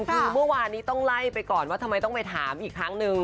คือเมื่อวานนี้ต้องไล่ไปก่อนว่าทำไมต้องไปถามอีกครั้งนึง